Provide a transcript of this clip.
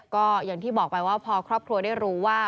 ก็อย่างที่บอกไปว่าพอครอบครัวได้รู้ว่า